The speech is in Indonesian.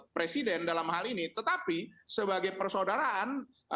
presiden dalam hal ini tetapi sebagai persaudaraan